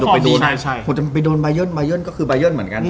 ผมก็จะมาไปโดนบายอนบายอนนะคะบายอนก็คือบายอนเหมือนกัน